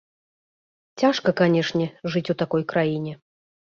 Цяжка, канечне, жыць у такой краіне.